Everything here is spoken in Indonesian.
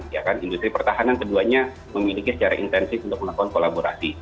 ya kan industri pertahanan keduanya memiliki secara intensif untuk melakukan kolaborasi